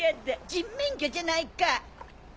人面魚じゃないか！